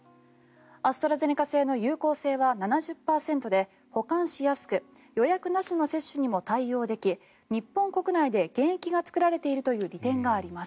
アストラゼネカ製の有効性は７０％で保管しやすく予約なしの接種にも対応でき日本国内で原液が作られているという利点があります。